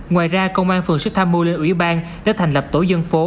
ngoài ra công an phường sức tham mưu liên ủy ban đã thành lập tổ dân phố